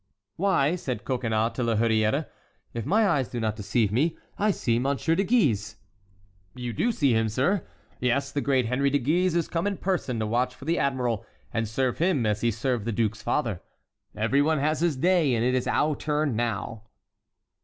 "Why," said Coconnas to La Hurière, "if my eyes do not deceive me, I see Monsieur de Guise." "You do see him, sir. Yes; the great Henry de Guise is come in person to watch for the admiral and serve him as he served the duke's father. Every one has his day, and it is our turn now."